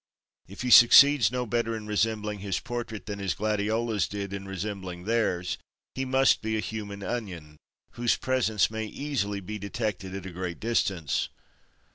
If he succeeds no better in resembling his portrait than his gladiolas did in resembling theirs, he must be a human onion whose presence may easily be detected at a great distance.